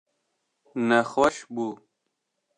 Nexweş bû.